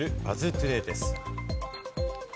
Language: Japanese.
トゥデイです。